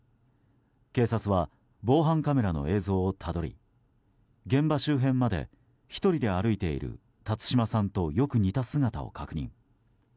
警察は防犯カメラの映像をたどり現場周辺まで１人で歩いている辰島さんとよく似た姿を確認。